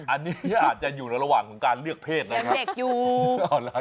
อันนี้อาจจะอยู่ระหว่างกาลเลือกเพศนะครับ